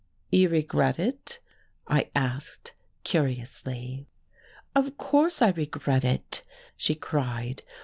"You regret it?" I asked curiously. "Of course I regret it!" she cried.